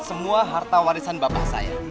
semua harta warisan bapak saya